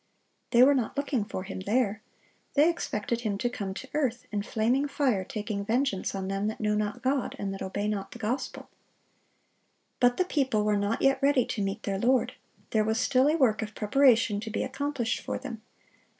They were not looking for Him there. They expected Him to come to earth, "in flaming fire taking vengeance on them that know not God, and that obey not the gospel."(698) But the people were not yet ready to meet their Lord. There was still a work of preparation to be accomplished for them.